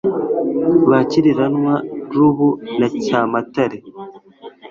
Ba Cyiriranwa-rubu na Cyamatare,